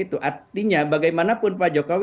itu artinya bagaimanapun pak jokowi